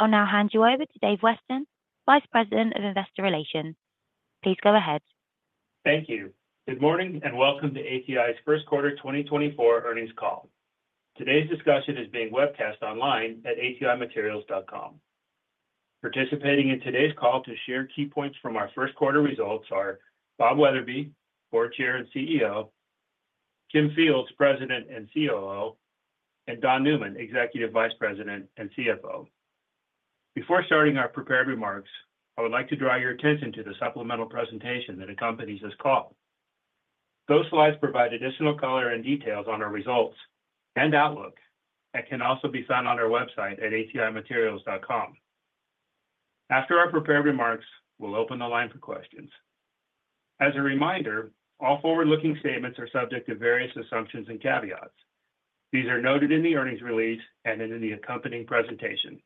I'll now hand you over to Dave Weston, Vice President of Investor Relations. Please go ahead. Thank you. Good morning and welcome to ATI's First Quarter 2024 Earnings Call. Today's discussion is being webcast online at atimaterials.com. Participating in today's call to share key points from our first quarter results are Bob Wetherbee, Board Chair and CEO; Kimberly Fields, President and COO; and Don Newman, Executive Vice President and CFO. Before starting our prepared remarks, I would like to draw your attention to the supplemental presentation that accompanies this call. Those slides provide additional color and details on our results and outlook and can also be found on our website at atimaterials.com. After our prepared remarks, we'll open the line for questions. As a reminder, all forward-looking statements are subject to various assumptions and caveats. These are noted in the earnings release and in the accompanying presentation.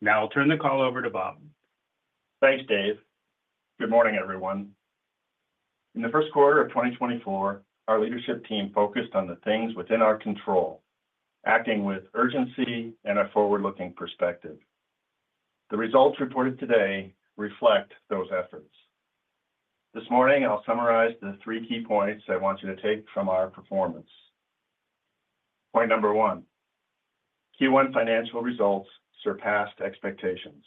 Now I'll turn the call over to Bob. Thanks, Dave. Good morning, everyone. In the first quarter of 2024, our leadership team focused on the things within our control, acting with urgency and a forward-looking perspective. The results reported today reflect those efforts. This morning, I'll summarize the three key points I want you to take from our performance. Point number one: Q1 financial results surpassed expectations.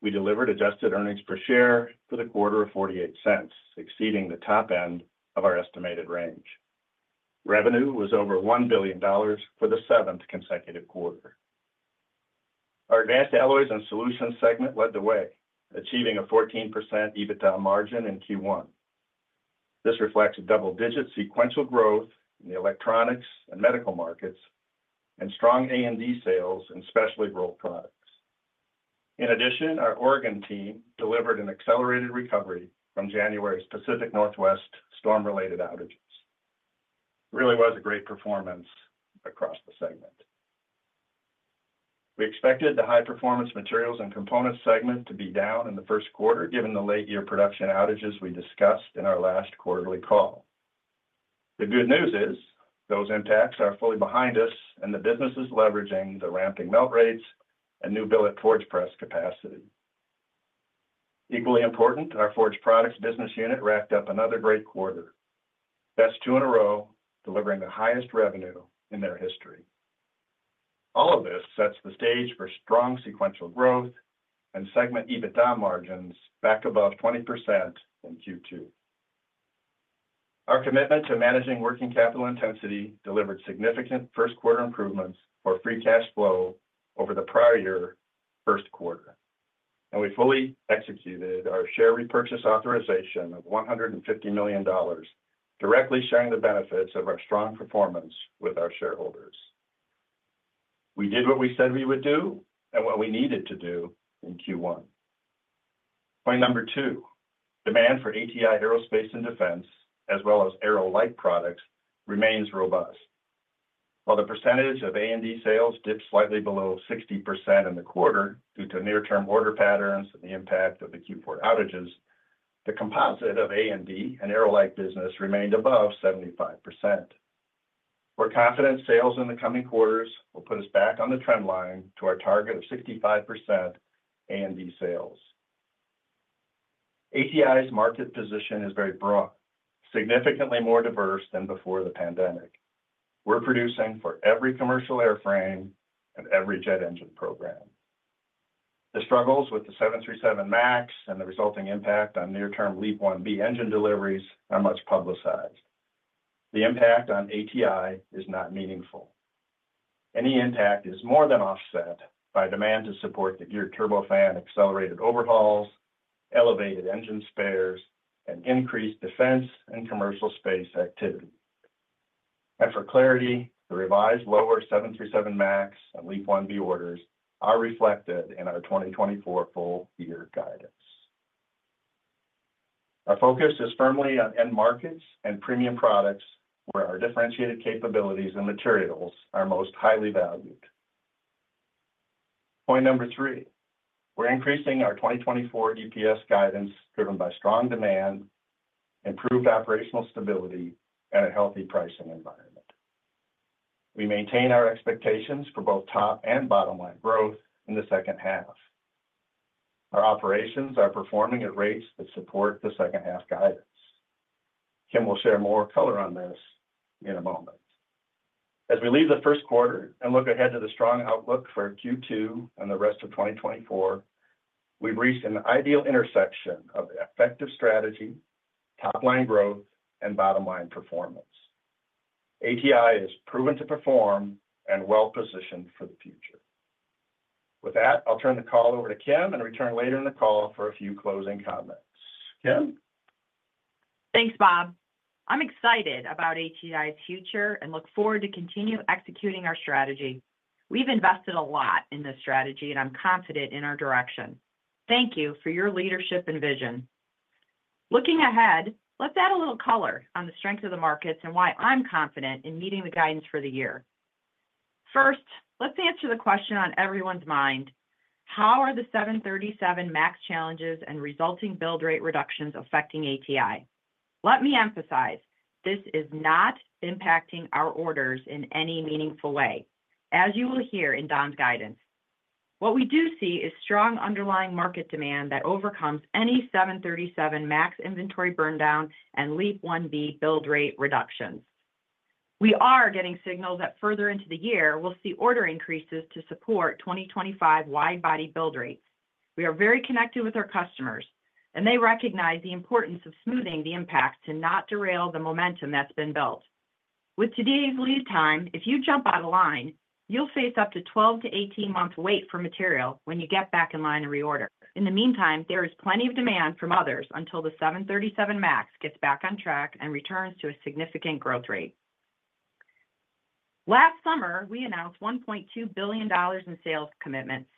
We delivered adjusted earnings per share for the quarter of $0.48, exceeding the top end of our estimated range. Revenue was over $1 billion for the seventh consecutive quarter. Our Advanced Alloys and Solutions segment led the way, achieving a 14% EBITDA margin in Q1. This reflects a double-digit sequential growth in the electronics and medical markets and strong A&D sales in Specialty Rolled Products. In addition, our Oregon team delivered an accelerated recovery from January's Pacific Northwest storm-related outages. It really was a great performance across the segment. We expected the High-Performance Materials and Components segment to be down in the first quarter given the late-year production outages we discussed in our last quarterly call. The good news is those impacts are fully behind us, and the business is leveraging the ramping melt rates and new billet forge press capacity. Equally important, our Forged Products business unit racked up another great quarter, that's two in a row delivering the highest revenue in their history. All of this sets the stage for strong sequential growth and segment EBITDA margins back above 20% in Q2. Our commitment to managing working capital intensity delivered significant first-quarter improvements for free cash flow over the prior year first quarter, and we fully executed our share repurchase authorization of $150 million, directly sharing the benefits of our strong performance with our shareholders. We did what we said we would do and what we needed to do in Q1. Point number two: demand for ATI Aerospace and Defense, as well as aero-like products, remains robust. While the percentage of A&D sales dipped slightly below 60% in the quarter due to near-term order patterns and the impact of the Q4 outages, the composite of A&D and aero-like business remained above 75%. We're confident sales in the coming quarters will put us back on the trend line to our target of 65% A&D sales. ATI's market position is very broad, significantly more diverse than before the pandemic. We're producing for every commercial airframe and every jet engine program. The struggles with the 737 MAX and the resulting impact on near-term LEAP-1B engine deliveries are much publicized. The impact on ATI is not meaningful. Any impact is more than offset by demand to support the Geared Turbofan accelerated overhauls, elevated engine spares, and increased defense and commercial space activity. For clarity, the revised lower 737 MAX and LEAP-1B orders are reflected in our 2024 full-year guidance. Our focus is firmly on end markets and premium products where our differentiated capabilities and materials are most highly valued. Point number three: we're increasing our 2024 DPS guidance driven by strong demand, improved operational stability, and a healthy pricing environment. We maintain our expectations for both top and bottom line growth in the second half. Our operations are performing at rates that support the second half guidance. Kim will share more color on this in a moment. As we leave the first quarter and look ahead to the strong outlook for Q2 and the rest of 2024, we've reached an ideal intersection of effective strategy, top-line growth, and bottom-line performance. ATI is proven to perform and well-positioned for the future. With that, I'll turn the call over to Kim and return later in the call for a few closing comments. Kim? Thanks, Bob. I'm excited about ATI's future and look forward to continuing to execute our strategy. We've invested a lot in this strategy, and I'm confident in our direction. Thank you for your leadership and vision. Looking ahead, let's add a little color on the strength of the markets and why I'm confident in meeting the guidance for the year. First, let's answer the question on everyone's mind: how are the 737 MAX challenges and resulting build-rate reductions affecting ATI? Let me emphasize: this is not impacting our orders in any meaningful way, as you will hear in Don's guidance. What we do see is strong underlying market demand that overcomes any 737 MAX inventory burndown and LEAP-1B build-rate reductions. We are getting signals that further into the year, we'll see order increases to support 2025 wide-body build rates. We are very connected with our customers, and they recognize the importance of smoothing the impact to not derail the momentum that's been built. With today's lead time, if you jump out of line, you'll face up to a 12-18-month wait for material when you get back in line to reorder. In the meantime, there is plenty of demand from others until the 737 MAX gets back on track and returns to a significant growth rate. Last summer, we announced $1.2 billion in sales commitments.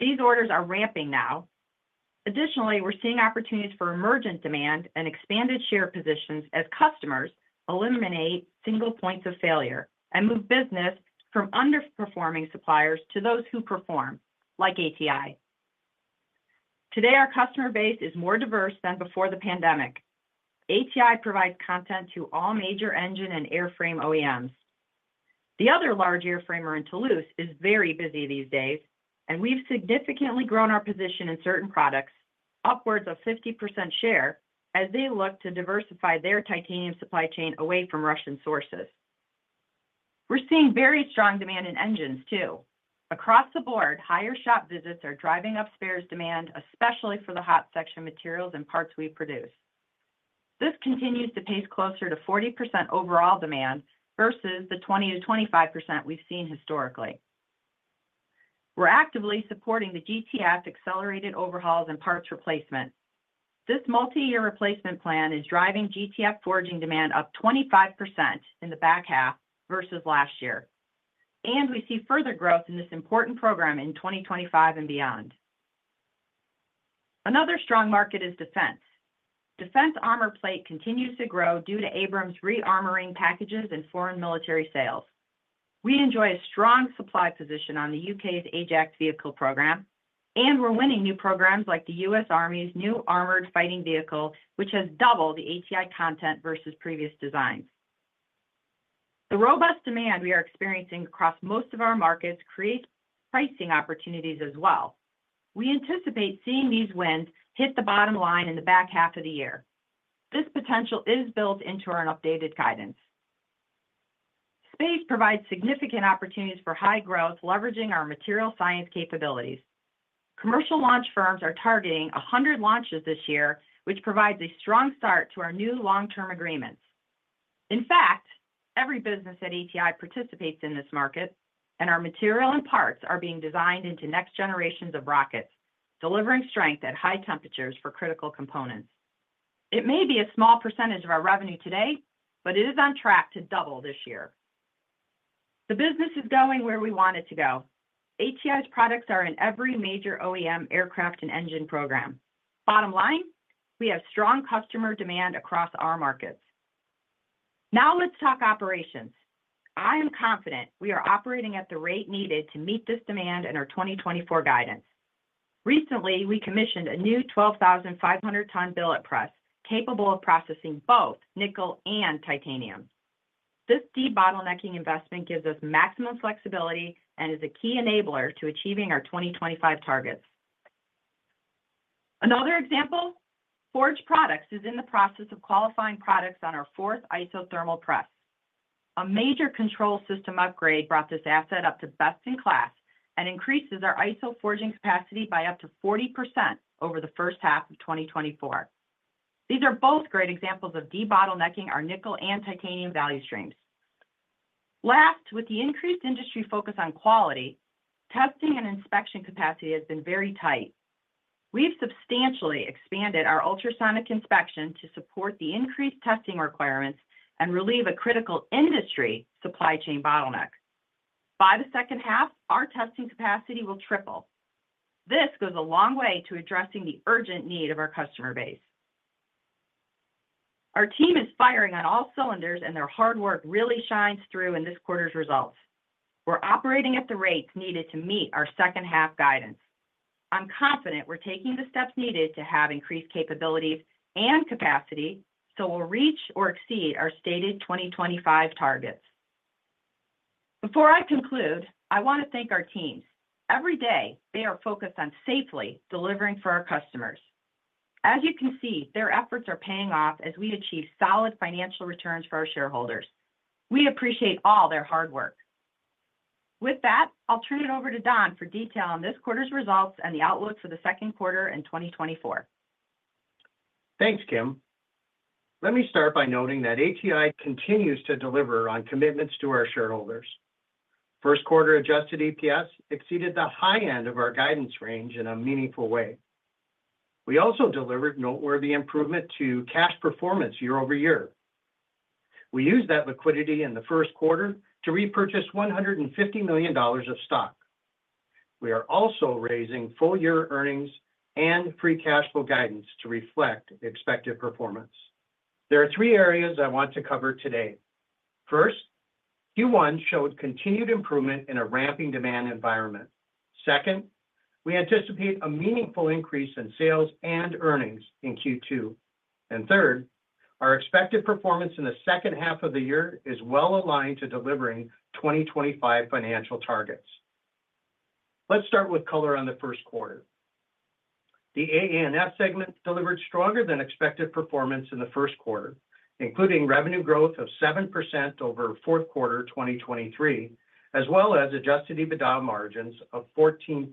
These orders are ramping now. Additionally, we're seeing opportunities for emergent demand and expanded share positions as customers eliminate single points of failure and move business from underperforming suppliers to those who perform, like ATI. Today, our customer base is more diverse than before the pandemic. ATI provides content to all major engine and airframe OEMs. The other large airframer in Toulouse is very busy these days, and we've significantly grown our position in certain products, upwards of 50% share, as they look to diversify their titanium supply chain away from Russian sources. We're seeing very strong demand in engines, too. Across the board, higher shop visits are driving up spares demand, especially for the hot section materials and parts we produce. This continues to pace closer to 40% overall demand versus the 20%-25% we've seen historically. We're actively supporting the GTF accelerated overhauls and parts replacement. This multi-year replacement plan is driving GTF forging demand up 25% in the back half versus last year, and we see further growth in this important program in 2025 and beyond. Another strong market is defense. Defense armor plate continues to grow due to Abrams rearmoring packages and foreign military sales. We enjoy a strong supply position on the U.K.'s Ajax vehicle program, and we're winning new programs like the U.S. Army's new armored fighting vehicle, which has doubled the ATI content versus previous designs. The robust demand we are experiencing across most of our markets creates pricing opportunities as well. We anticipate seeing these wins hit the bottom line in the back half of the year. This potential is built into our updated guidance. Space provides significant opportunities for high growth, leveraging our material science capabilities. Commercial launch firms are targeting 100 launches this year, which provides a strong start to our new long-term agreements. In fact, every business at ATI participates in this market, and our material and parts are being designed into next generations of rockets, delivering strength at high temperatures for critical components. It may be a small percentage of our revenue today, but it is on track to double this year. The business is going where we want it to go. ATI's products are in every major OEM aircraft and engine program. Bottom line: we have strong customer demand across our markets. Now let's talk operations. I am confident we are operating at the rate needed to meet this demand and our 2024 guidance. Recently, we commissioned a new 12,500-ton billet press capable of processing both nickel and titanium. This debottlenecking investment gives us maximum flexibility and is a key enabler to achieving our 2025 targets. Another example: forge products is in the process of qualifying products on our fourth isothermal press. A major control system upgrade brought this asset up to best-in-class and increases our isoforging capacity by up to 40% over the first half of 2024. These are both great examples of debottlenecking our nickel and titanium value streams. Last, with the increased industry focus on quality, testing and inspection capacity has been very tight. We've substantially expanded our ultrasonic inspection to support the increased testing requirements and relieve a critical industry supply chain bottleneck. By the second half, our testing capacity will triple. This goes a long way to addressing the urgent need of our customer base. Our team is firing on all cylinders, and their hard work really shines through in this quarter's results. We're operating at the rates needed to meet our second half guidance. I'm confident we're taking the steps needed to have increased capabilities and capacity so we'll reach or exceed our stated 2025 targets. Before I conclude, I want to thank our teams. Every day, they are focused on safely delivering for our customers. As you can see, their efforts are paying off as we achieve solid financial returns for our shareholders. We appreciate all their hard work. With that, I'll turn it over to Don for detail on this quarter's results and the outlook for the second quarter in 2024. Thanks, Kim. Let me start by noting that ATI continues to deliver on commitments to our shareholders. First quarter adjusted EPS exceeded the high end of our guidance range in a meaningful way. We also delivered noteworthy improvement to cash performance year-over-year. We used that liquidity in the first quarter to repurchase $150 million of stock. We are also raising full-year earnings and free cash flow guidance to reflect expected performance. There are three areas I want to cover today. First, Q1 showed continued improvement in a ramping demand environment. Second, we anticipate a meaningful increase in sales and earnings in Q2. And third, our expected performance in the second half of the year is well aligned to delivering 2025 financial targets. Let's start with color on the first quarter. The AA&S segment delivered stronger than expected performance in the first quarter, including revenue growth of 7% over fourth quarter 2023, as well as adjusted EBITDA margins of 14%.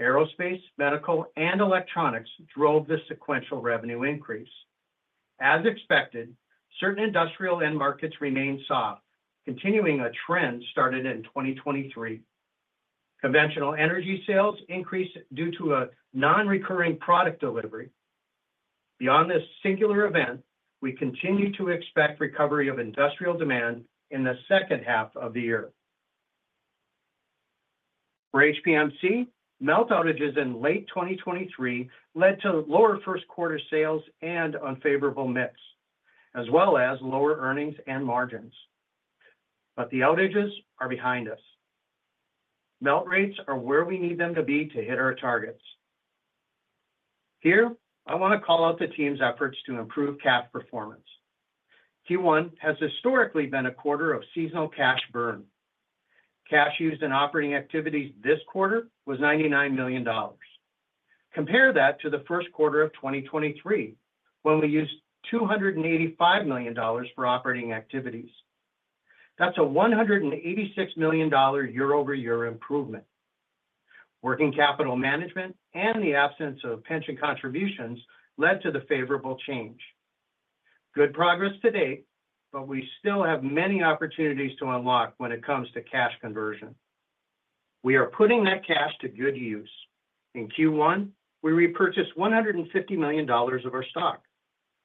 Aerospace, medical, and electronics drove this sequential revenue increase. As expected, certain industrial end markets remained soft, continuing a trend started in 2023. Conventional energy sales increased due to a non-recurring product delivery. Beyond this singular event, we continue to expect recovery of industrial demand in the second half of the year. For HPMC, melt outages in late 2023 led to lower first-quarter sales and unfavorable mix, as well as lower earnings and margins. But the outages are behind us. Melt rates are where we need them to be to hit our targets. Here, I want to call out the team's efforts to improve cash performance. Q1 has historically been a quarter of seasonal cash burn. Cash used in operating activities this quarter was $99 million. Compare that to the first quarter of 2023, when we used $285 million for operating activities. That's a $186 million year-over-year improvement. Working capital management and the absence of pension contributions led to the favorable change. Good progress to date, but we still have many opportunities to unlock when it comes to cash conversion. We are putting that cash to good use. In Q1, we repurchased $150 million of our stock,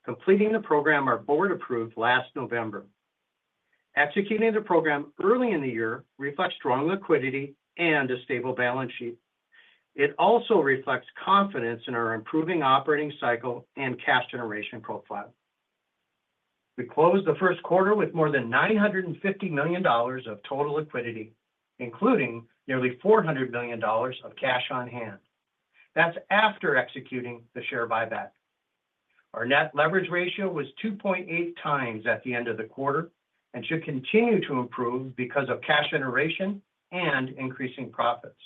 completing the program our board approved last November. Executing the program early in the year reflects strong liquidity and a stable balance sheet. It also reflects confidence in our improving operating cycle and cash generation profile. We closed the first quarter with more than $950 million of total liquidity, including nearly $400 million of cash on hand. That's after executing the share buyback. Our net leverage ratio was 2.8 times at the end of the quarter and should continue to improve because of cash generation and increasing profits.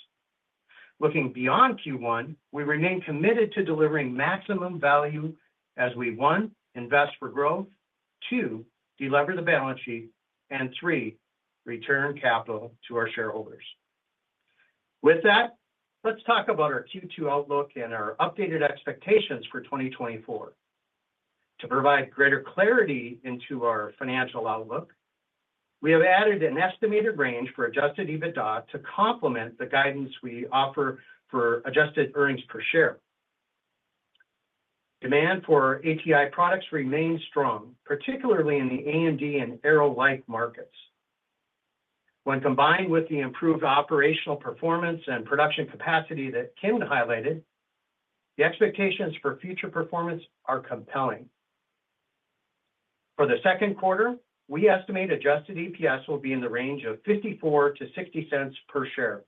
Looking beyond Q1, we remain committed to delivering maximum value as we: 1) invest for growth, 2) deliver the balance sheet, and 3) return capital to our shareholders. With that, let's talk about our Q2 outlook and our updated expectations for 2024. To provide greater clarity into our financial outlook, we have added an estimated range for adjusted EBITDA to complement the guidance we offer for adjusted earnings per share. Demand for ATI products remains strong, particularly in the A&D and Aero-like markets. When combined with the improved operational performance and production capacity that Kim highlighted, the expectations for future performance are compelling. For the second quarter, we estimate adjusted EPS will be in the range of $0.54-$0.60 per share.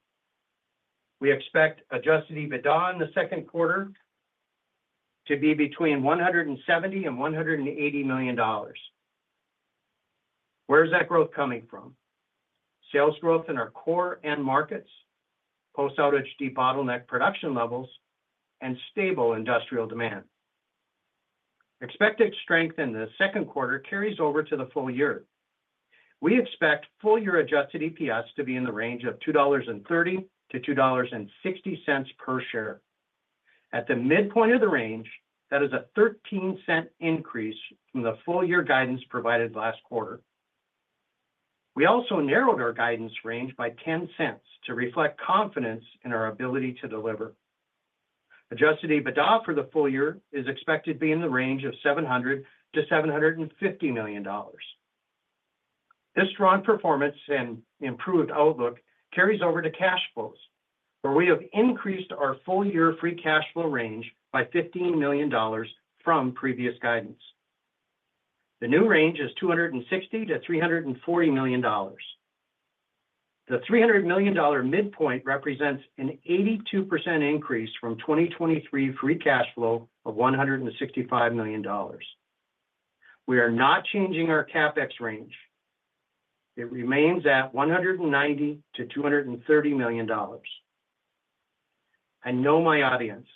We expect adjusted EBITDA in the second quarter to be between $170-$180 million. Where is that growth coming from? Sales growth in our core end markets, post-outage debottleneck production levels, and stable industrial demand. Expected strength in the second quarter carries over to the full year. We expect full-year adjusted EPS to be in the range of $2.30-$2.60 per share. At the midpoint of the range, that is a $0.13 increase from the full-year guidance provided last quarter. We also narrowed our guidance range by $0.10 to reflect confidence in our ability to deliver. Adjusted EBITDA for the full year is expected to be in the range of $700-$750 million. This strong performance and improved outlook carries over to cash flows, where we have increased our full-year free cash flow range by $15 million from previous guidance. The new range is $260-$340 million. The $300 million midpoint represents an 82% increase from 2023 free cash flow of $165 million. We are not changing our capex range. It remains at $190-$230 million. I know my audience.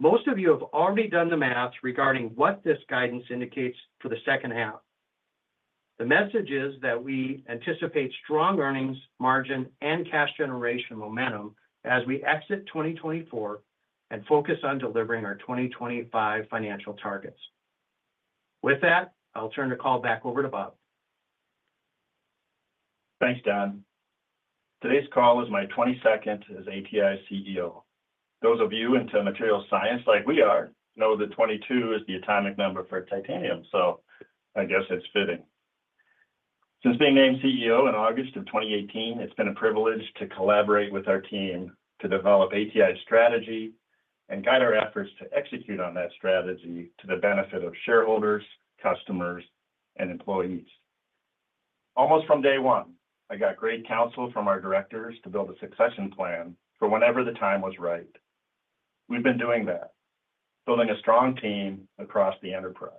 Most of you have already done the math regarding what this guidance indicates for the second half. The message is that we anticipate strong earnings margin and cash generation momentum as we exit 2024 and focus on delivering our 2025 financial targets. With that, I'll turn the call back over to Bob. Thanks, Don. Today's call is my 22nd as ATI CEO. Those of you into material science like we are know that 22 is the atomic number for titanium, so I guess it's fitting. Since being named CEO in August of 2018, it's been a privilege to collaborate with our team to develop ATI's strategy and guide our efforts to execute on that strategy to the benefit of shareholders, customers, and employees. Almost from day one, I got great counsel from our directors to build a succession plan for whenever the time was right. We've been doing that, building a strong team across the enterprise.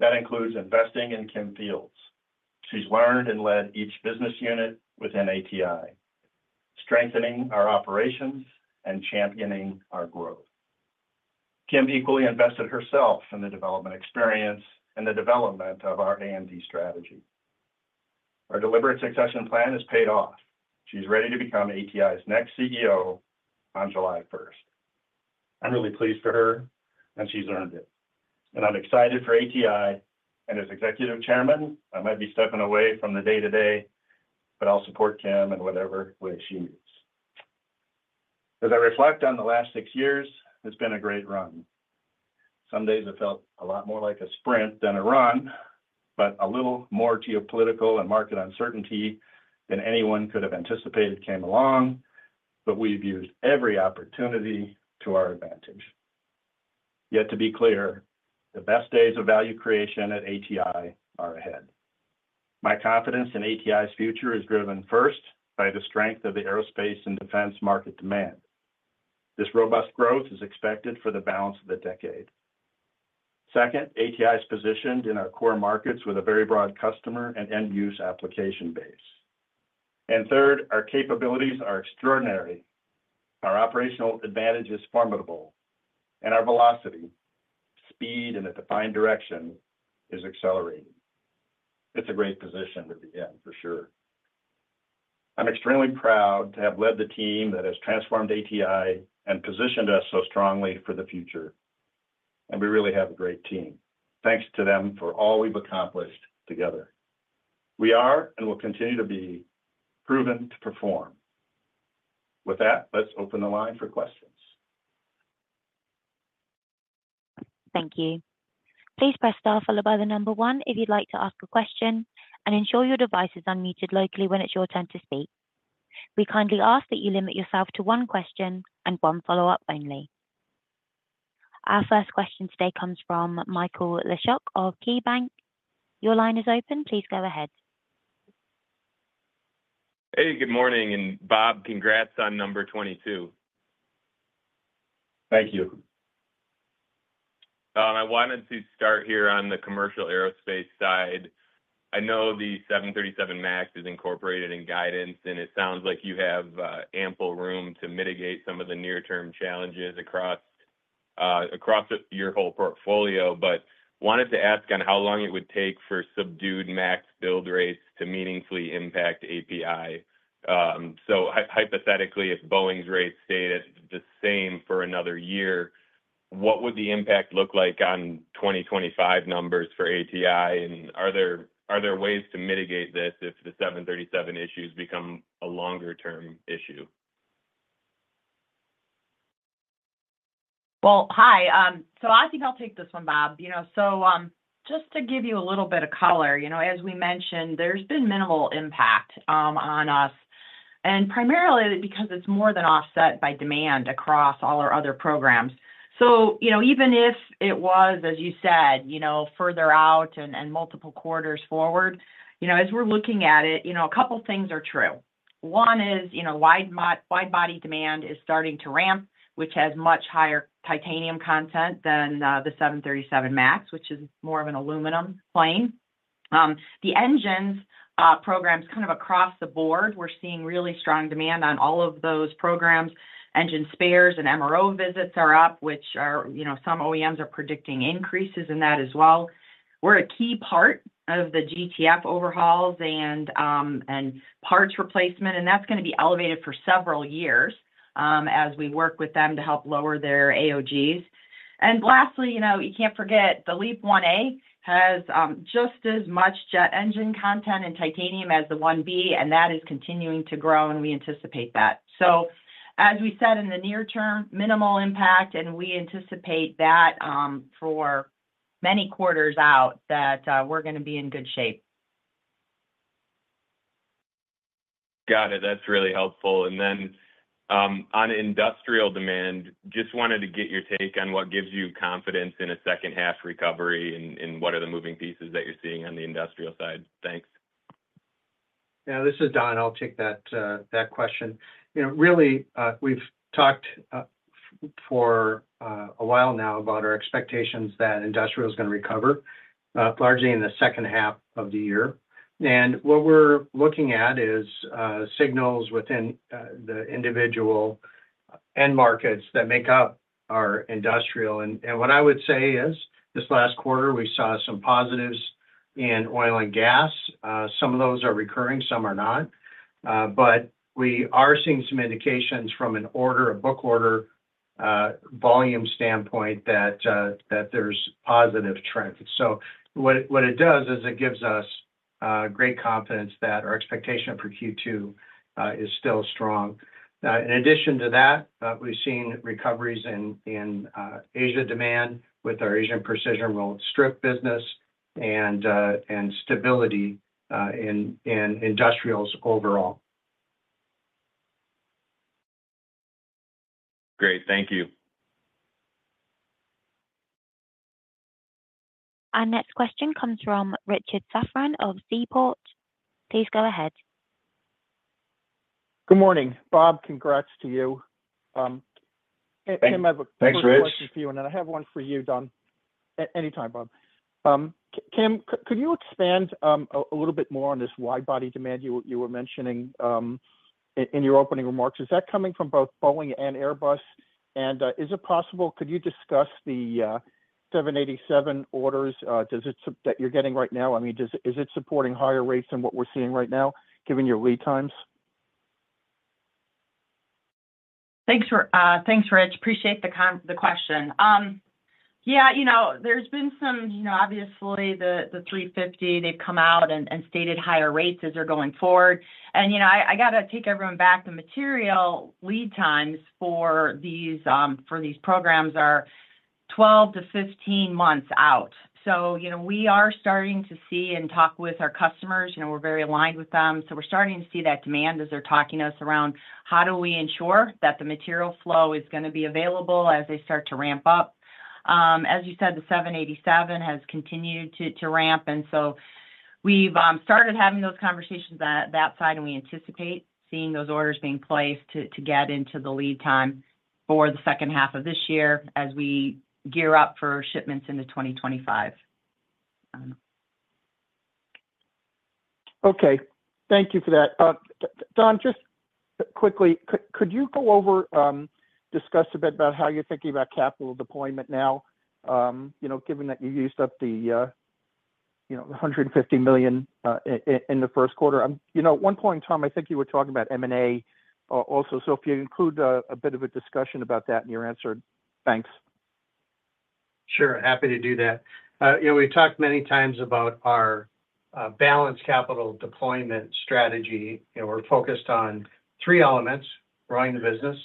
That includes investing in Kim Fields. She's learned and led each business unit within ATI, strengthening our operations and championing our growth. Kim equally invested herself in the development experience and the development of our AMD strategy. Our deliberate succession plan has paid off. She's ready to become ATI's next CEO on July 1st. I'm really pleased for her, and she's earned it. I'm excited for ATI, and as executive chairman, I might be stepping away from the day-to-day, but I'll support Kim in whatever way she needs. As I reflect on the last six years, it's been a great run. Some days have felt a lot more like a sprint than a run, but a little more geopolitical and market uncertainty than anyone could have anticipated came along, but we've used every opportunity to our advantage. Yet, to be clear, the best days of value creation at ATI are ahead. My confidence in ATI's future is driven first by the strength of the aerospace and defense market demand. This robust growth is expected for the balance of the decade. Second, ATI's positioned in our core markets with a very broad customer and end-use application base. Third, our capabilities are extraordinary. Our operational advantage is formidable, and our velocity, speed, and the defined direction is accelerating. It's a great position to be in, for sure. I'm extremely proud to have led the team that has transformed ATI and positioned us so strongly for the future. We really have a great team. Thanks to them for all we've accomplished together. We are and will continue to be proven to perform. With that, let's open the line for questions. Thank you. Please press star followed by the number 1 if you'd like to ask a question, and ensure your device is unmuted locally when it's your turn to speak. We kindly ask that you limit yourself to one question and one follow-up only. Our first question today comes from Michael Leshock of KeyBanc Capital Markets. Your line is open. Please go ahead. Hey, good morning. Bob, congrats on number 22. Thank you. I wanted to start here on the commercial aerospace side. I know the 737 MAX is incorporated in guidance, and it sounds like you have ample room to mitigate some of the near-term challenges across your whole portfolio, but wanted to ask on how long it would take for subdued MAX build rates to meaningfully impact ATI. So hypothetically, if Boeing's rates stayed the same for another year, what would the impact look like on 2025 numbers for ATI? And are there ways to mitigate this if the 737 issues become a longer-term issue? Well, hi. So I think I'll take this one, Bob. So just to give you a little bit of color, as we mentioned, there's been minimal impact on us, and primarily because it's more than offset by demand across all our other programs. So even if it was, as you said, further out and multiple quarters forward, as we're looking at it, a couple of things are true. One is widebody demand is starting to ramp, which has much higher titanium content than the 737 MAX, which is more of an aluminum plane. The engines programs kind of across the board, we're seeing really strong demand on all of those programs. Engine spares and MRO visits are up, which some OEMs are predicting increases in that as well. We're a key part of the GTF overhauls and parts replacement, and that's going to be elevated for several years as we work with them to help lower their AOGs. And lastly, you can't forget, the LEAP-1A has just as much jet engine content and titanium as the 1B, and that is continuing to grow, and we anticipate that. So as we said in the near term, minimal impact, and we anticipate that for many quarters out that we're going to be in good shape. Got it. That's really helpful. And then on industrial demand, just wanted to get your take on what gives you confidence in a second-half recovery and what are the moving pieces that you're seeing on the industrial side? Thanks. Yeah, this is Don. I'll take that question. Really, we've talked for a while now about our expectations that industrial is going to recover, largely in the second half of the year. What we're looking at is signals within the individual end markets that make up our industrial. What I would say is this last quarter, we saw some positives in oil and gas. Some of those are recurring, some are not. But we are seeing some indications from an order, a book order volume standpoint, that there's positive trends. What it does is it gives us great confidence that our expectation for Q2 is still strong. In addition to that, we've seen recoveries in Asia demand with our Asian precision rolled strip business and stability in industrials overall. Great. Thank you. Our next question comes from Richard Safran of Seaport. Please go ahead. Good morning, Bob. Congrats to you. Kim, I have a quick question for you, and then I have one for you, Don. Anytime, Bob. Kim, could you expand a little bit more on this widebody demand you were mentioning in your opening remarks? Is that coming from both Boeing and Airbus? And is it possible could you discuss the 787 orders that you're getting right now? I mean, is it supporting higher rates than what we're seeing right now, given your lead times? Thanks, Rich. Appreciate the question. Yeah, there's been some, obviously, the A350, they've come out and stated higher rates as they're going forward. And I got to take everyone back to material. Lead times for these programs are 12-15 months out. So we are starting to see and talk with our customers. We're very aligned with them. So we're starting to see that demand as they're talking to us around how do we ensure that the material flow is going to be available as they start to ramp up. As you said, the 787 has continued to ramp. And so we've started having those conversations on that side, and we anticipate seeing those orders being placed to get into the lead time for the second half of this year as we gear up for shipments into 2025. Okay. Thank you for that. Don, just quickly, could you go over discuss a bit about how you're thinking about capital deployment now, given that you used up the $150 million in the first quarter? At one point in time, I think you were talking about M&A also. So if you include a bit of a discussion about that in your answer, thanks. Sure. Happy to do that. We've talked many times about our balanced capital deployment strategy. We're focused on three elements: growing the business,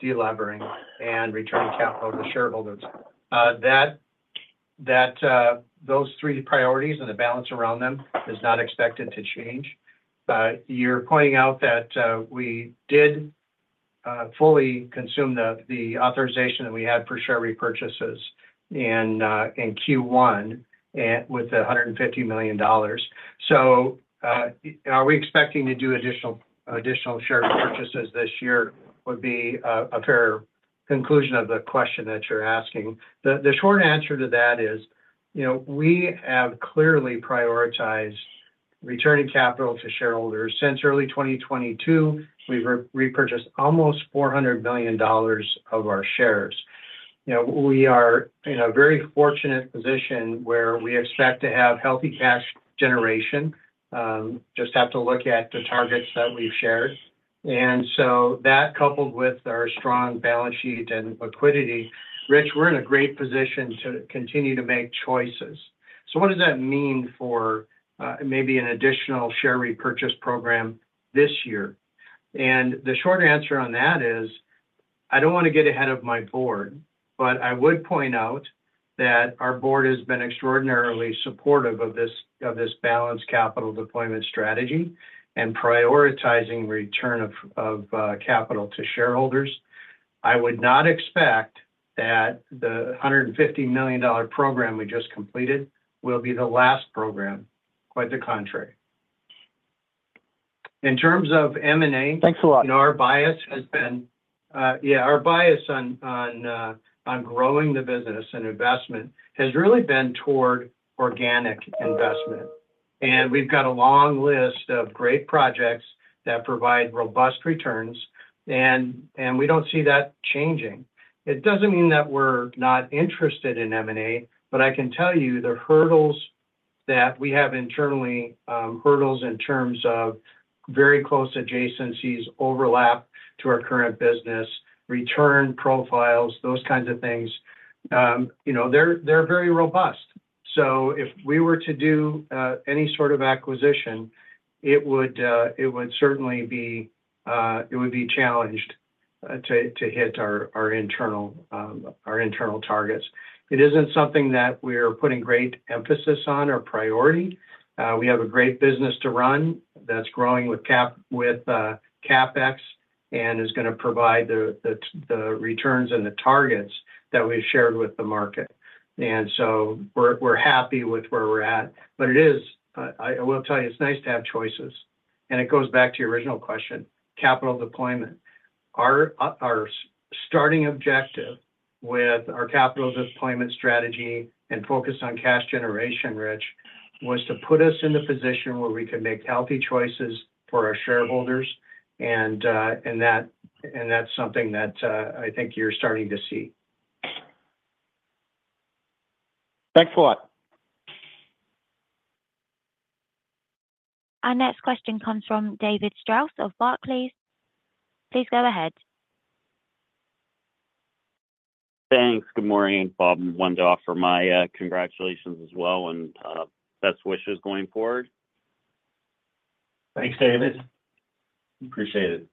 de-levering, and returning capital to the shareholders. Those three priorities and the balance around them is not expected to change. You're pointing out that we did fully consume the authorization that we had for share repurchases in Q1 with the $150 million. So, are we expecting to do additional share repurchases this year? Would be a fair conclusion of the question that you're asking. The short answer to that is we have clearly prioritized returning capital to shareholders. Since early 2022, we've repurchased almost $400 million of our shares. We are in a very fortunate position where we expect to have healthy cash generation. Just have to look at the targets that we've shared. And so that coupled with our strong balance sheet and liquidity, Rich, we're in a great position to continue to make choices. So what does that mean for maybe an additional share repurchase program this year? And the short answer on that is I don't want to get ahead of my board, but I would point out that our board has been extraordinarily supportive of this balanced capital deployment strategy and prioritizing return of capital to shareholders. I would not expect that the $150 million program we just completed will be the last program, quite the contrary. In terms of M&A. Thanks a lot. Our bias has been yeah, our bias on growing the business and investment has really been toward organic investment. We've got a long list of great projects that provide robust returns, and we don't see that changing. It doesn't mean that we're not interested in M&A, but I can tell you the hurdles that we have internally, hurdles in terms of very close adjacencies overlap to our current business, return profiles, those kinds of things. They're very robust. If we were to do any sort of acquisition, it would certainly be challenged to hit our internal targets. It isn't something that we're putting great emphasis on or priority. We have a great business to run that's growing with CapEx and is going to provide the returns and the targets that we've shared with the market. We're happy with where we're at. But it is, I will tell you, it's nice to have choices. And it goes back to your original question, capital deployment. Our starting objective with our capital deployment strategy and focus on cash generation, Rich, was to put us in the position where we could make healthy choices for our shareholders. And that's something that I think you're starting to see. Thanks a lot. Our next question comes from David Strauss of Barclays. Please go ahead. Thanks. Good morning, Bob. Wanted to offer my congratulations as well and best wishes going forward. Thanks, David. Appreciate it.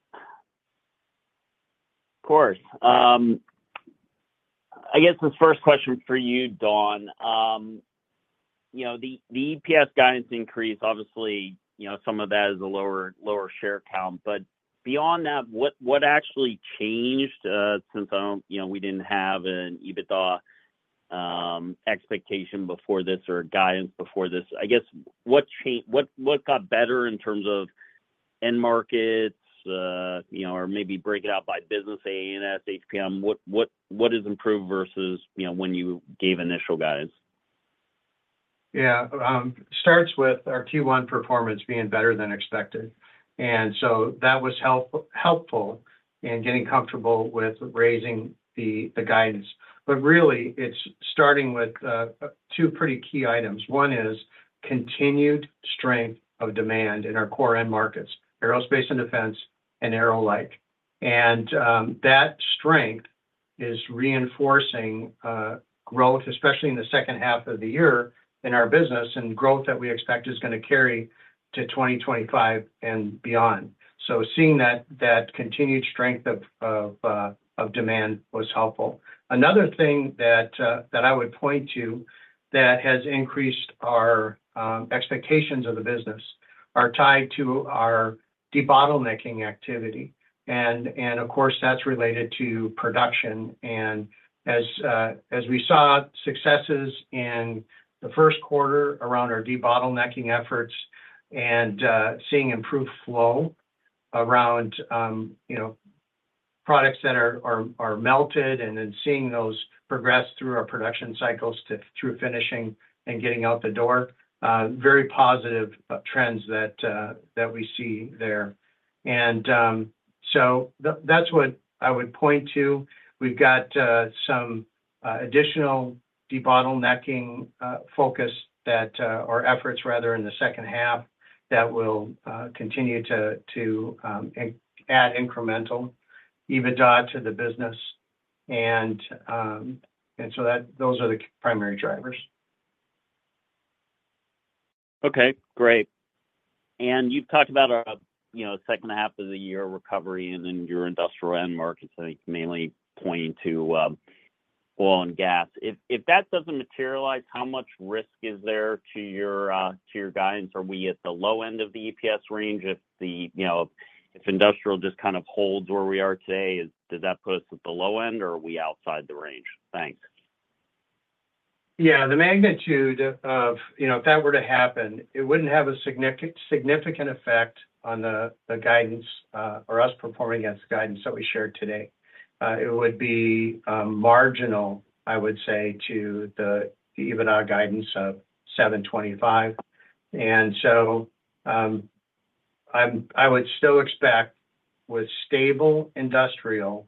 Of course. I guess this first question for you, Don. The EPS guidance increase, obviously, some of that is a lower share count. But beyond that, what actually changed since we didn't have an EBITDA expectation before this or guidance before this? I guess what got better in terms of end markets or maybe break it out by business AA&S, HPM? What has improved versus when you gave initial guidance? Yeah. It starts with our Q1 performance being better than expected. So that was helpful in getting comfortable with raising the guidance. But really, it's starting with two pretty key items. One is continued strength of demand in our core end markets, aerospace and defense, and aero-like. And that strength is reinforcing growth, especially in the second half of the year in our business, and growth that we expect is going to carry to 2025 and beyond. So seeing that continued strength of demand was helpful. Another thing that I would point to that has increased our expectations of the business are tied to our debottlenecking activity. And of course, that's related to production. As we saw successes in the first quarter around our debottlenecking efforts and seeing improved flow around products that are melted and then seeing those progress through our production cycles through finishing and getting out the door, very positive trends that we see there. So that's what I would point to. We've got some additional debottlenecking focus or efforts, rather, in the second half that will continue to add incremental EBITDA to the business. Those are the primary drivers. Okay. Great. And you've talked about a second half of the year recovery and then your industrial end markets, I think, mainly pointing to oil and gas. If that doesn't materialize, how much risk is there to your guidance? Are we at the low end of the EPS range? If industrial just kind of holds where we are today, does that put us at the low end, or are we outside the range? Thanks. Yeah. The magnitude of if that were to happen, it wouldn't have a significant effect on the guidance or us performing against the guidance that we shared today. It would be marginal, I would say, to the EBITDA guidance of 725. And so I would still expect with stable industrial,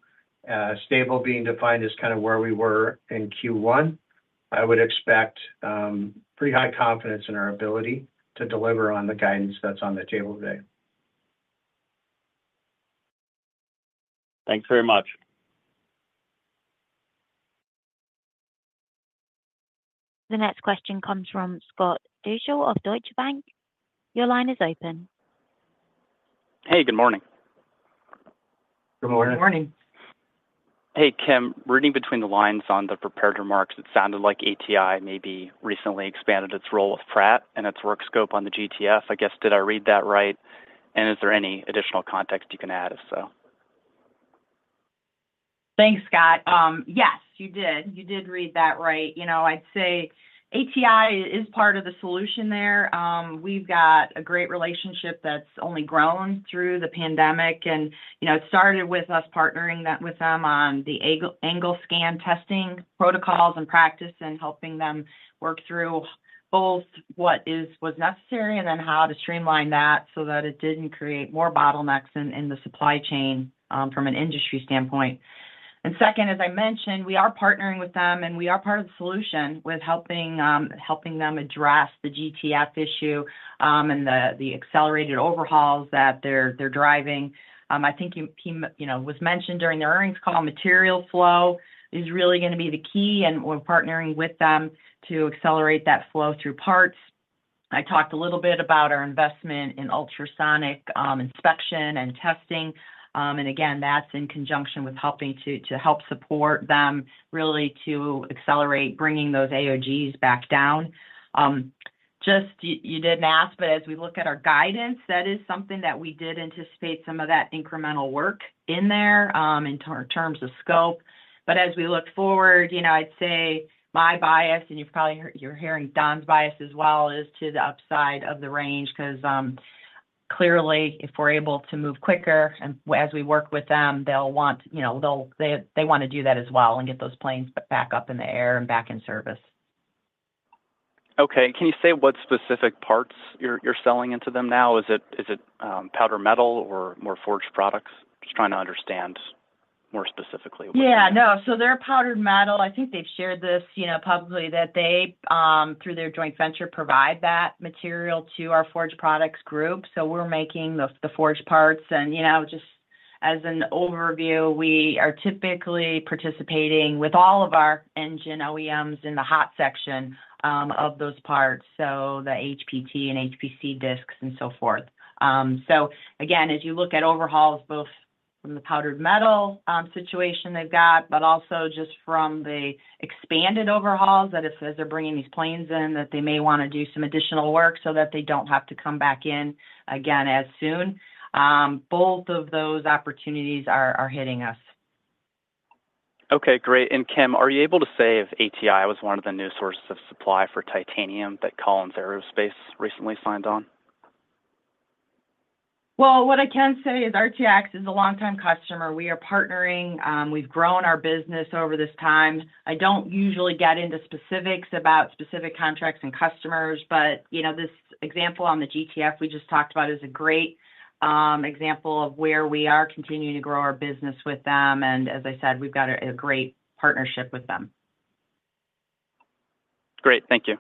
stable being defined as kind of where we were in Q1, I would expect pretty high confidence in our ability to deliver on the guidance that's on the table today. Thanks very much. The next question comes from Scott Deuschle of Deutsche Bank. Your line is open. Hey. Good morning. Good morning. Good morning. Hey, Kim. Reading between the lines on the prepared remarks, it sounded like ATI maybe recently expanded its role with Pratt and its work scope on the GTF. I guess, did I read that right? And is there any additional context you can add, if so? Thanks, Scott. Yes, you did. You did read that right. I'd say ATI is part of the solution there. We've got a great relationship that's only grown through the pandemic. It started with us partnering with them on the angle scan testing protocols and practice and helping them work through both what was necessary and then how to streamline that so that it didn't create more bottlenecks in the supply chain from an industry standpoint. Second, as I mentioned, we are partnering with them, and we are part of the solution with helping them address the GTF issue and the accelerated overhauls that they're driving. I think it was mentioned during their earnings call. Material flow is really going to be the key, and we're partnering with them to accelerate that flow through parts. I talked a little bit about our investment in ultrasonic inspection and testing. Again, that's in conjunction with helping to help support them really to accelerate bringing those AOGs back down. You didn't ask, but as we look at our guidance, that is something that we did anticipate some of that incremental work in there in terms of scope. But as we look forward, I'd say my bias, and you're hearing Don's bias as well, is to the upside of the range because clearly, if we're able to move quicker and as we work with them, they'll want they want to do that as well and get those planes back up in the air and back in service. Okay. Can you say what specific parts you're selling into them now? Is it powdered metal or more forged products? Just trying to understand more specifically. Yeah. No. So they're powdered metal. I think they've shared this publicly that they, through their joint venture, provide that material to our forged products group. So we're making the forged parts. And just as an overview, we are typically participating with all of our engine OEMs in the hot section of those parts, so the HPT and HPC discs and so forth. So again, as you look at overhauls, both from the powdered metal situation they've got, but also just from the expanded overhauls that if they're bringing these planes in, that they may want to do some additional work so that they don't have to come back in, again, as soon. Both of those opportunities are hitting us. Okay. Great. And Kim, are you able to say if ATI was one of the new sources of supply for titanium that Collins Aerospace recently signed on? Well, what I can say is RTX is a long-time customer. We are partnering. We've grown our business over this time. I don't usually get into specifics about specific contracts and customers, but this example on the GTF we just talked about is a great example of where we are continuing to grow our business with them. And as I said, we've got a great partnership with them. Great. Thank you.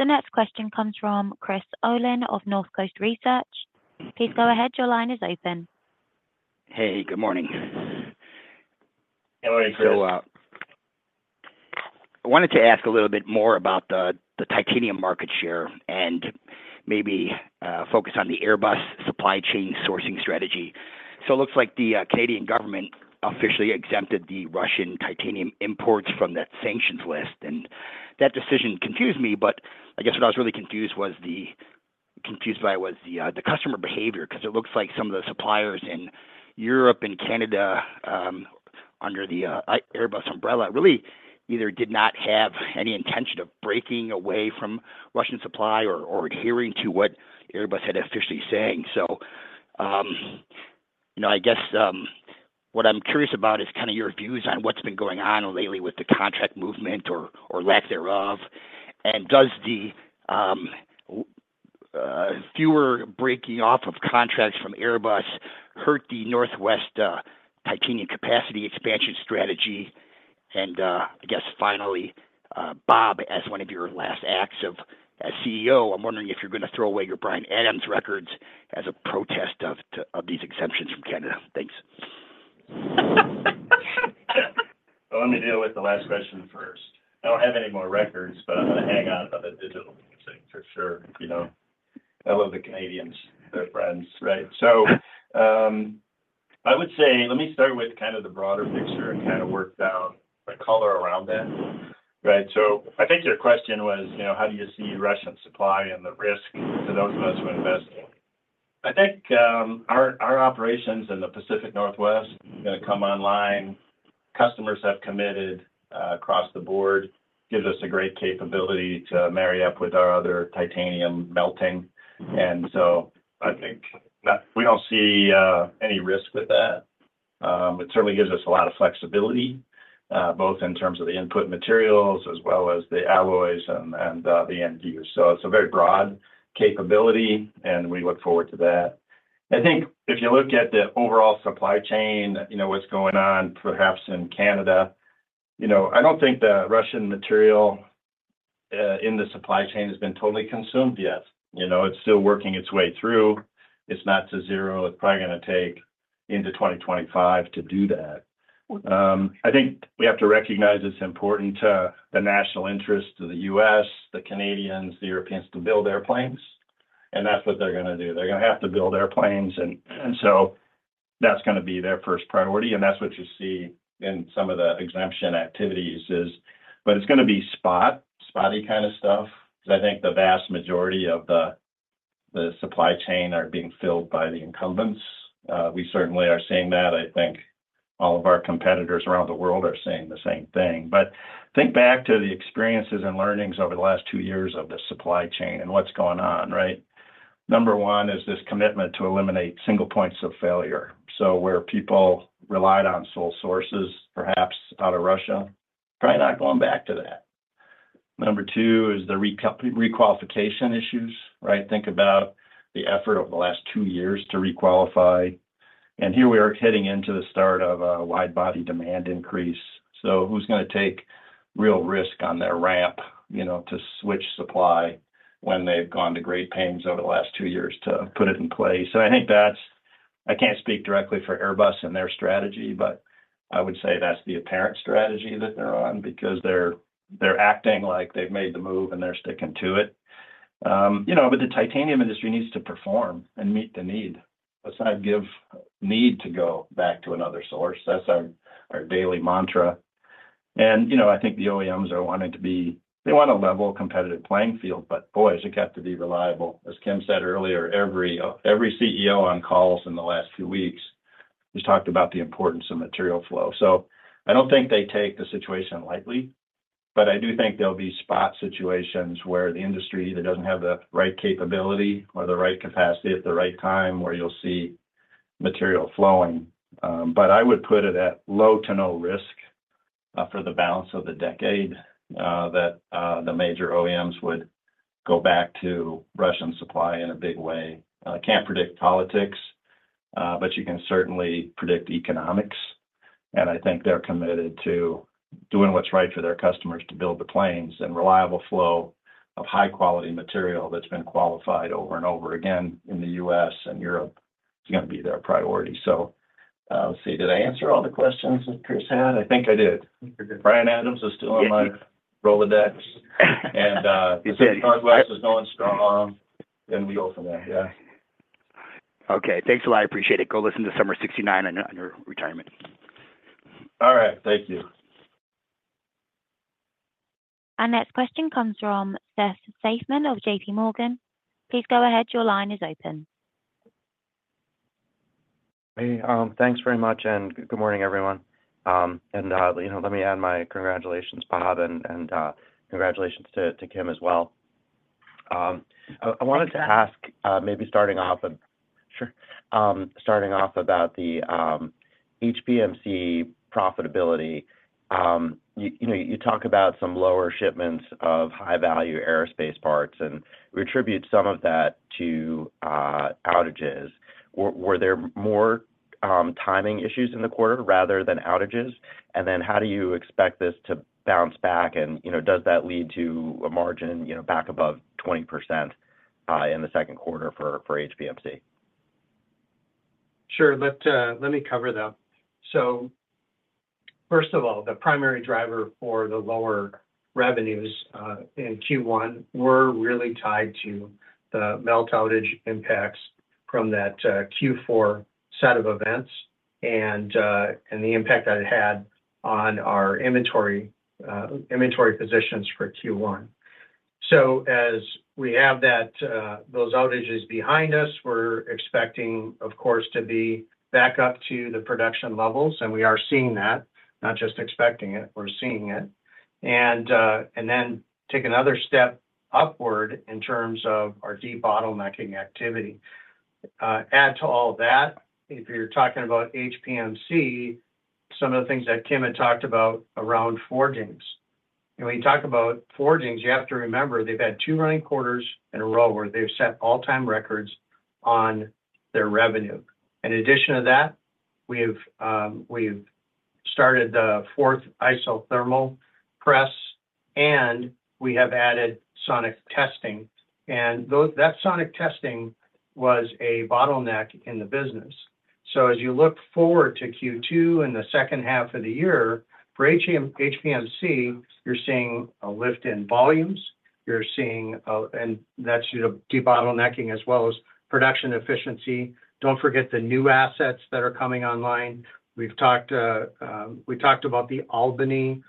The next question comes from Chris Olin of Northcoast Research. Please go ahead. Your line is open. Hey. Good morning. Hey. How are you, Chris? I wanted to ask a little bit more about the titanium market share and maybe focus on the Airbus supply chain sourcing strategy. So it looks like the Canadian government officially exempted the Russian titanium imports from that sanctions list. And that decision confused me. But I guess what I was really confused by was the customer behavior because it looks like some of the suppliers in Europe and Canada under the Airbus umbrella really either did not have any intention of breaking away from Russian supply or adhering to what Airbus had officially saying. So I guess what I'm curious about is kind of your views on what's been going on lately with the contract movement or lack thereof. And does the fewer breaking off of contracts from Airbus hurt the Northwest titanium capacity expansion strategy? I guess finally, Bob, as one of your last acts as CEO, I'm wondering if you're going to throw away your Bryan Adams records as a protest of these exemptions from Canada. Thanks. Well, let me deal with the last question first. I don't have any more records, but I'm going to hang on to the digital thing for sure. I love the Canadians. They're friends, right? So I would say let me start with kind of the broader picture and kind of work down the color around that, right? So I think your question was, how do you see Russian supply and the risk to those of us who invest? I think our operations in the Pacific Northwest are going to come online. Customers have committed across the board. It gives us a great capability to marry up with our other titanium melting. And so I think we don't see any risk with that. It certainly gives us a lot of flexibility, both in terms of the input materials as well as the alloys and the end use. So it's a very broad capability, and we look forward to that. I think if you look at the overall supply chain, what's going on perhaps in Canada, I don't think the Russian material in the supply chain has been totally consumed yet. It's still working its way through. It's not to zero. It's probably going to take into 2025 to do that. I think we have to recognize it's important to the national interests of the U.S., the Canadians, the Europeans to build airplanes. And that's what they're going to do. They're going to have to build airplanes. And that's what you see in some of the exemption activities is. But it's going to be spotty kind of stuff because I think the vast majority of the supply chain are being filled by the incumbents. We certainly are seeing that. I think all of our competitors around the world are saying the same thing. But think back to the experiences and learnings over the last two years of the supply chain and what's going on, right? Number one is this commitment to eliminate single points of failure. So where people relied on sole sources, perhaps out of Russia, try not going back to that. Number two is the requalification issues, right? Think about the effort of the last two years to requalify. And here we are hitting into the start of a wide-body demand increase. So who's going to take real risk on their ramp to switch supply when they've gone to great pains over the last two years to put it in place? So, I think that's—I can't speak directly for Airbus and their strategy, but I would say that's the apparent strategy that they're on because they're acting like they've made the move, and they're sticking to it. But the titanium industry needs to perform and meet the need. Let's not give 'em need to go back to another source. That's our daily mantra. And I think the OEMs are wanting to be—they want a level competitive playing field. But boy, has it got to be reliable. As Kim said earlier, every CEO on calls in the last few weeks has talked about the importance of material flow. So I don't think they take the situation lightly. But I do think there'll be spot situations where the industry either doesn't have the right capability or the right capacity at the right time where you'll see material flowing. But I would put it at low to no risk for the balance of the decade that the major OEMs would go back to Russian supply in a big way. I can't predict politics, but you can certainly predict economics. And I think they're committed to doing what's right for their customers to build the planes and reliable flow of high-quality material that's been qualified over and over again in the U.S. and Europe. It's going to be their priority. So let's see. Did I answer all the questions that Chris had? I think I did. Brian Adams is still in my Rolodex. And if the Northwest is going strong, then we open there. Yeah. Okay. Thanks a lot. I appreciate it. Go listen to Summer '69 on your retirement. All right. Thank you. Our next question comes from Seth Seifman of JPMorgan. Please go ahead. Your line is open. Thanks very much. Good morning, everyone. Let me add my congratulations, Bob, and congratulations to Kim as well. I wanted to ask, maybe starting off about the HPMC profitability. You talk about some lower shipments of high-value aerospace parts, and we attribute some of that to outages. Were there more timing issues in the quarter rather than outages? And then how do you expect this to bounce back? And does that lead to a margin back above 20% in the second quarter for HPMC? Sure. Let me cover that. So first of all, the primary driver for the lower revenues in Q1 were really tied to the melt outage impacts from that Q4 set of events and the impact that it had on our inventory positions for Q1. So as we have those outages behind us, we're expecting, of course, to be back up to the production levels. And we are seeing that, not just expecting it. We're seeing it. And then take another step upward in terms of our debottlenecking activity. Add to all that, if you're talking about HPMC, some of the things that Kim had talked about around forgings. And when you talk about forgings, you have to remember they've had two running quarters in a row where they've set all-time records on their revenue. In addition to that, we've started the fourth isothermal press, and we have added ultrasonic testing. And that ultrasonic testing was a bottleneck in the business. So as you look forward to Q2 in the second half of the year for HPMC, you're seeing a lift in volumes. And that's debottlenecking as well as production efficiency. Don't forget the new assets that are coming online. We've talked about the Albany,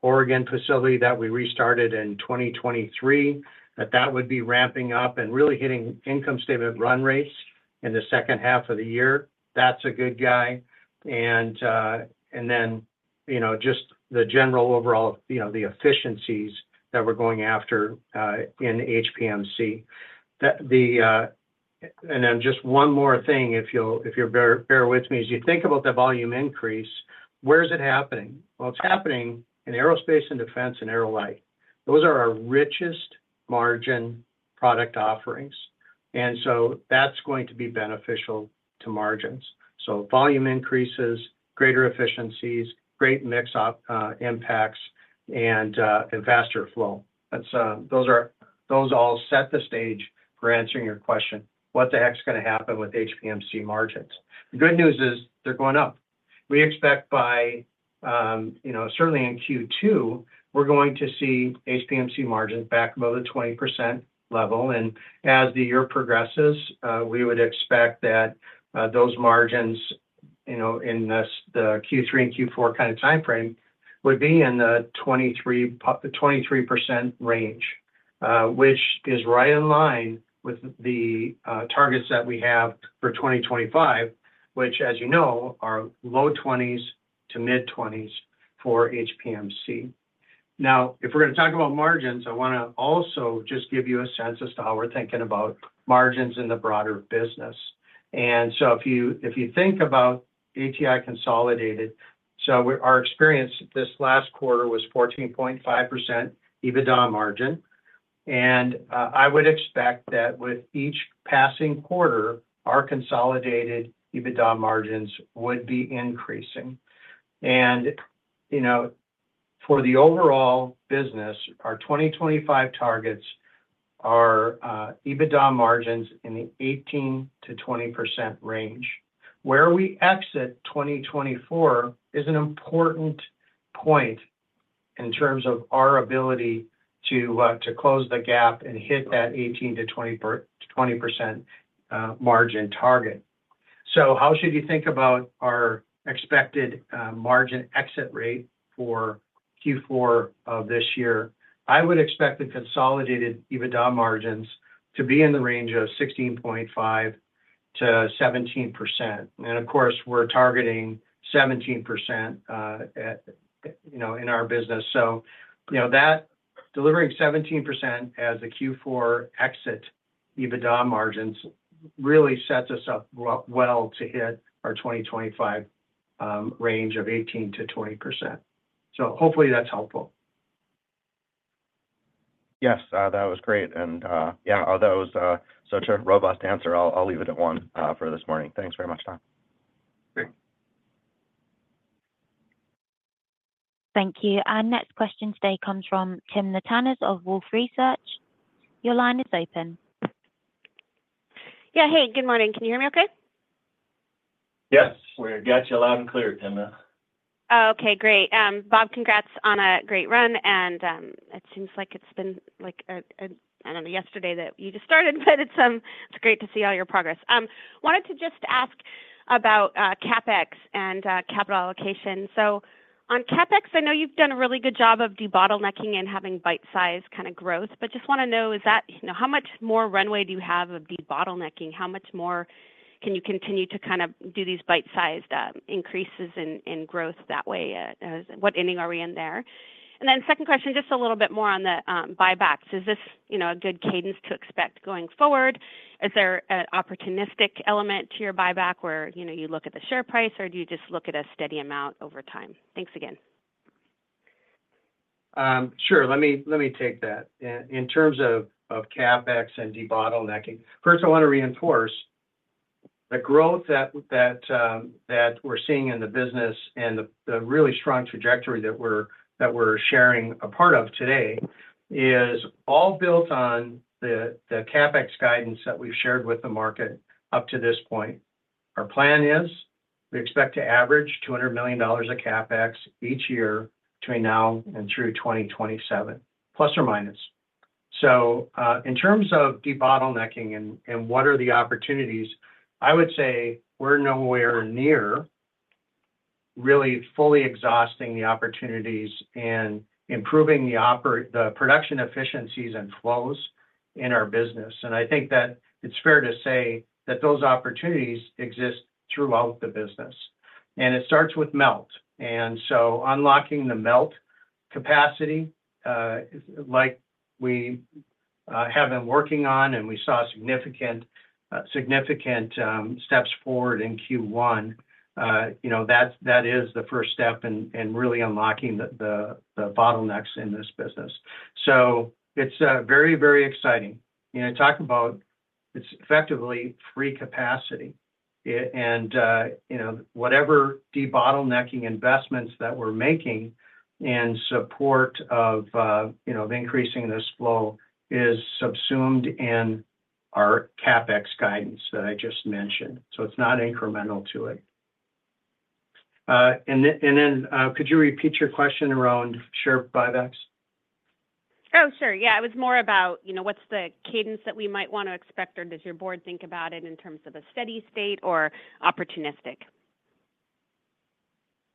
Oregon facility that we restarted in 2023, that that would be ramping up and really hitting income statement run rates in the second half of the year. That's a good guy. And then just the general overall, the efficiencies that we're going after in HPMC. And then just one more thing, if you'll bear with me, as you think about the volume increase, where is it happening? Well, it's happening in aerospace and defense and aero-like. Those are our richest margin product offerings. And so that's going to be beneficial to margins. So volume increases, greater efficiencies, great mix impacts, and faster flow. Those all set the stage for answering your question, what the heck's going to happen with HPMC margins. The good news is they're going up. We expect by certainly in Q2, we're going to see HPMC margins back above the 20% level. And as the year progresses, we would expect that those margins in the Q3 and Q4 kind of timeframe would be in the 23% range, which is right in line with the targets that we have for 2025, which, as you know, are low 20s to mid-20s for HPMC. Now, if we're going to talk about margins, I want to also just give you a sense as to how we're thinking about margins in the broader business. So if you think about ATI consolidated, our experience this last quarter was 14.5% EBITDA margin. I would expect that with each passing quarter, our consolidated EBITDA margins would be increasing. For the overall business, our 2025 targets are EBITDA margins in the 18%-20% range. Where we exit 2024 is an important point in terms of our ability to close the gap and hit that 18%-20% margin target. How should you think about our expected margin exit rate for Q4 of this year? I would expect the consolidated EBITDA margins to be in the range of 16.5%-17%. Of course, we're targeting 17% in our business. Delivering 17% as a Q4 exit EBITDA margin really sets us up well to hit our 2025 range of 18%-20%. Hopefully, that's helpful. Yes. That was great. Yeah, although it was such a robust answer, I'll leave it at 1:00 A.M. for this morning. Thanks very much, Don. Great. Thank you. Our next question today comes from Timna Tanners of Wolfe Research. Your line is open. Yeah. Hey. Good morning. Can you hear me okay? Yes. We got you loud and clear, Tim. Oh, okay. Great. Bob, congrats on a great run. And it seems like it's been like a I don't know, yesterday that you just started, but it's great to see all your progress. Wanted to just ask about CapEx and capital allocation. So on CapEx, I know you've done a really good job of de-bottlenecking and having bite-sized kind of growth, but just want to know, is that how much more runway do you have of de-bottlenecking? How much more can you continue to kind of do these bite-sized increases in growth that way? What inning are we in there? And then second question, just a little bit more on the buybacks. Is this a good cadence to expect going forward? Is there an opportunistic element to your buyback where you look at the share price, or do you just look at a steady amount over time? Thanks again. Sure. Let me take that. In terms of CapEx and debottlenecking, first, I want to reinforce the growth that we're seeing in the business and the really strong trajectory that we're sharing a part of today is all built on the CapEx guidance that we've shared with the market up to this point. Our plan is we expect to average $200 million of CapEx each year between now and through 2027, ±. So in terms of debottlenecking and what are the opportunities, I would say we're nowhere near really fully exhausting the opportunities in improving the production efficiencies and flows in our business. And it starts with melt. Unlocking the melt capacity, like we have been working on, and we saw significant steps forward in Q1, that is the first step in really unlocking the bottlenecks in this business. It's very, very exciting. Talk about, it's effectively free capacity. Whatever de-bottlenecking investments that we're making in support of increasing this flow is subsumed in our CapEx guidance that I just mentioned. It's not incremental to it. Then could you repeat your question around share buybacks? Oh, sure. Yeah. It was more about what's the cadence that we might want to expect, or does your board think about it in terms of a steady state or opportunistic?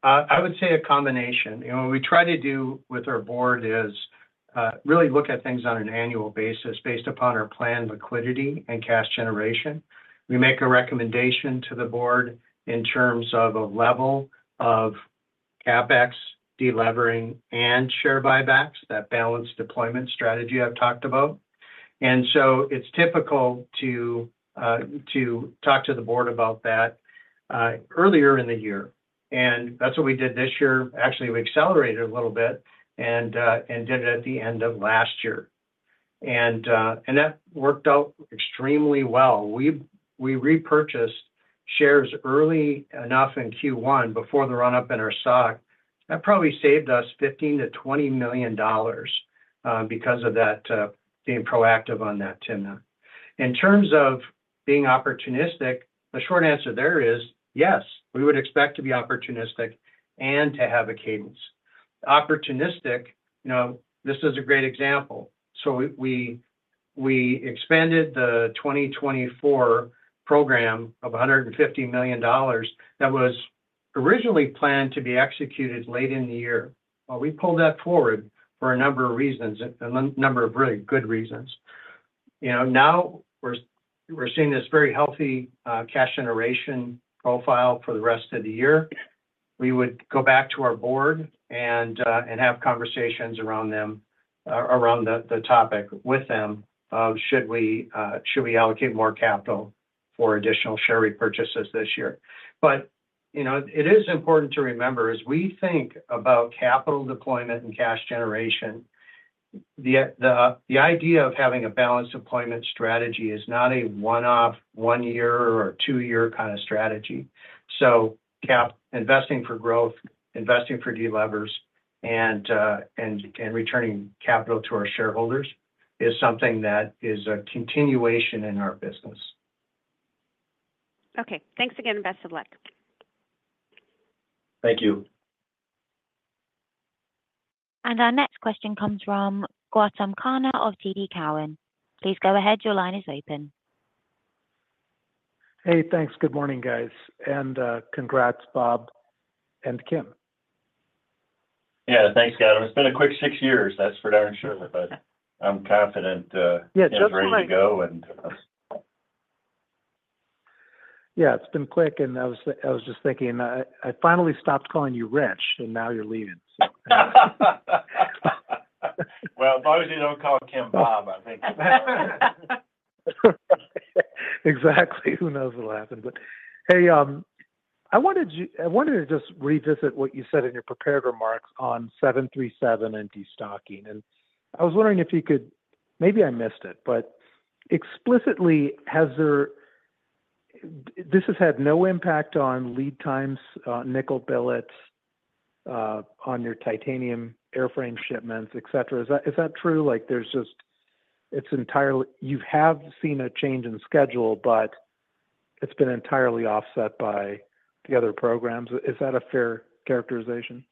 I would say a combination. What we try to do with our board is really look at things on an annual basis based upon our plan liquidity and cash generation. We make a recommendation to the board in terms of a level of CapEx delevering and share buybacks, that balanced deployment strategy I've talked about. And so it's typical to talk to the board about that earlier in the year. And that's what we did this year. Actually, we accelerated a little bit and did it at the end of last year. And that worked out extremely well. We repurchased shares early enough in Q1 before the run-up in our stock. That probably saved us $15-$20 million because of that being proactive on that, Tim. In terms of being opportunistic, the short answer there is, yes, we would expect to be opportunistic and to have a cadence. Opportunistic, this is a great example. So we expanded the 2024 program of $150 million that was originally planned to be executed late in the year. Well, we pulled that forward for a number of reasons, a number of really good reasons. Now we're seeing this very healthy cash generation profile for the rest of the year. We would go back to our board and have conversations around the topic with them of, "Should we allocate more capital for additional share repurchases this year?" But it is important to remember, as we think about capital deployment and cash generation, the idea of having a balanced deployment strategy is not a one-off, one-year or two-year kind of strategy. So investing for growth, investing for delevers, and returning capital to our shareholders is something that is a continuation in our business. Okay. Thanks again, and best of luck. Thank you. Our next question comes from Gautam Khanna of TD Cowen. Please go ahead. Your line is open. Hey. Thanks. Good morning, guys. Congrats, Bob and Kim. Yeah. Thanks, Gautam. It's been a quick six years. That's for darn sure. But I'm confident it's ready to go. Yeah. It's been quick. And I was just thinking, "I finally stopped calling you Rich, and now you're leaving," so. Well, if I was you, I don't call Kim Bob, I think. Exactly. Who knows what'll happen? But hey, I wanted to just revisit what you said in your prepared remarks on 737 and destocking. I was wondering if you could maybe I missed it, but explicitly, has there this has had no impact on lead times, nickel billets, on your titanium airframe shipments, etc. Is that true? It's entirely you have seen a change in schedule, but it's been entirely offset by the other programs. Is that a fair characterization?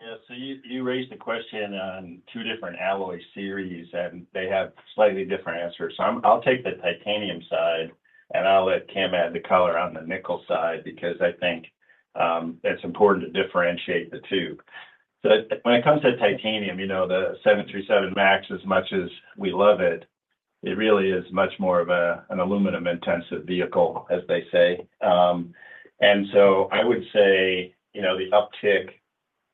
Yeah. So you raised the question on two different alloy series, and they have slightly different answers. So I'll take the titanium side, and I'll let Kim add the color on the nickel side because I think it's important to differentiate the two. So when it comes to titanium, the 737 MAX, as much as we love it, it really is much more of an aluminum-intensive vehicle, as they say. And so I would say the uptick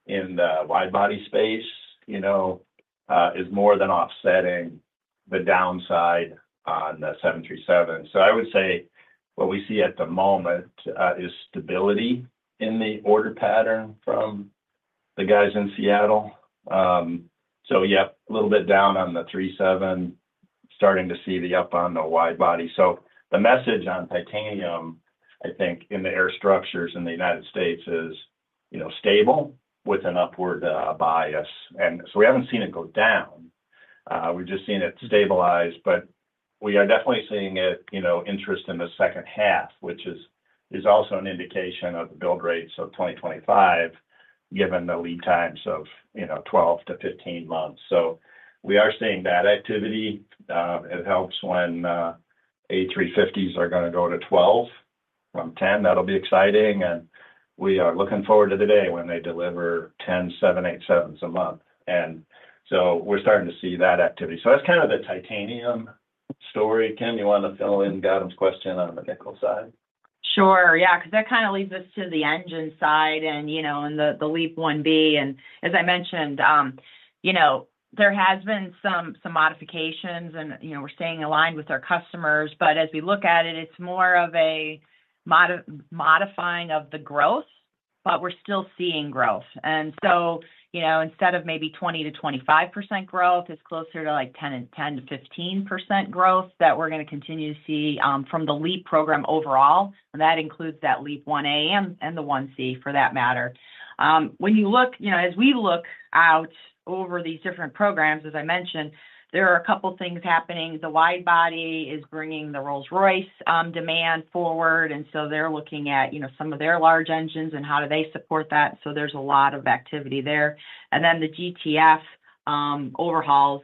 in the wide-body space is more than offsetting the downside on the 737. So I would say what we see at the moment is stability in the order pattern from the guys in Seattle. So yeah, a little bit down on the 37, starting to see the up on the wide body. So the message on titanium, I think, in the air structures in the United States is stable with an upward bias. We haven't seen it go down. We've just seen it stabilize. We are definitely seeing interest in the second half, which is also an indication of the build rates of 2025 given the lead times of 12-15 months. We are seeing that activity. It helps when A350s are going to go to 12 from 10. That'll be exciting. We are looking forward to today when they deliver 10 787s a month. We're starting to see that activity. That's kind of the titanium story. Kim, do you want to fill in Gautam's question on the nickel side? Sure. Yeah. Because that kind of leads us to the engine side and the LEAP-1B. And as I mentioned, there has been some modifications, and we're staying aligned with our customers. But as we look at it, it's more of a modifying of the growth, but we're still seeing growth. And so instead of maybe 20%-25% growth, it's closer to 10%-15% growth that we're going to continue to see from the LEAP program overall. And that includes that LEAP-1A and the 1C, for that matter. When you look as we look out over these different programs, as I mentioned, there are a couple of things happening. The wide body is bringing the Rolls-Royce demand forward. And so they're looking at some of their large engines and how do they support that. So there's a lot of activity there. And then the GTF overhauls,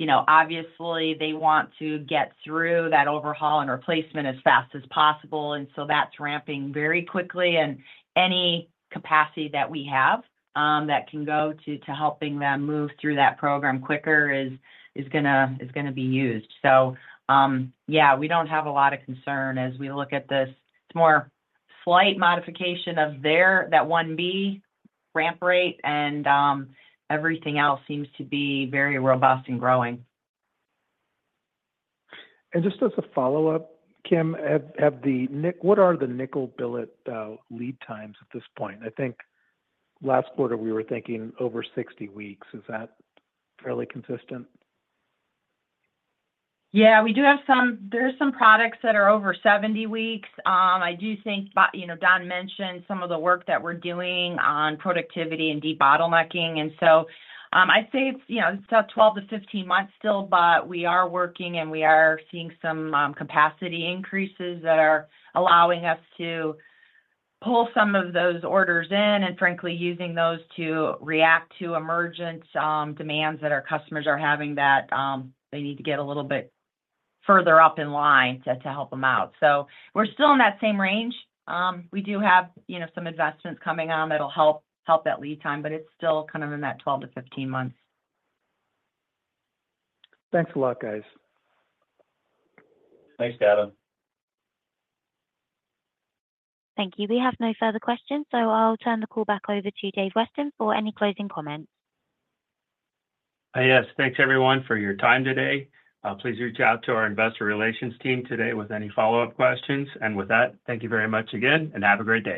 obviously, they want to get through that overhaul and replacement as fast as possible. And so that's ramping very quickly. And any capacity that we have that can go to helping them move through that program quicker is going to be used. So yeah, we don't have a lot of concern as we look at this. It's more slight modification of that 1B ramp rate, and everything else seems to be very robust and growing. Just as a follow-up, Kim, what are the nickel billet lead times at this point? I think last quarter, we were thinking over 60 weeks. Is that fairly consistent? Yeah. We do have some. There are some products that are over 70 weeks. I do think Don mentioned some of the work that we're doing on productivity and debottlenecking. So I'd say it's about 12-15 months still, but we are working, and we are seeing some capacity increases that are allowing us to pull some of those orders in and, frankly, using those to react to emergent demands that our customers are having that they need to get a little bit further up in line to help them out. So we're still in that same range. We do have some investments coming on that'll help that lead time, but it's still kind of in that 12-15 months. Thanks a lot, guys. Thanks, Gautam. Thank you. We have no further questions. So I'll turn the call back over to Dave Weston for any closing comments. Yes. Thanks, everyone, for your time today. Please reach out to our investor relations team today with any follow-up questions. And with that, thank you very much again, and have a great day.